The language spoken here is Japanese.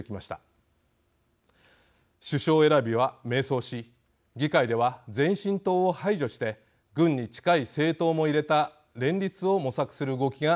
首相選びは迷走し議会では前進党を排除して軍に近い政党も入れた連立を模索する動きが出ています。